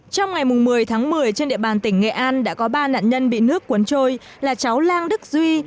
trong ngày một mươi tháng một mươi trên địa bàn tỉnh nghệ an đã có ba nạn nhân bị nước cuốn trôi là cháu lan đức duy